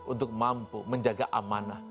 untuk mampu menjaga amanah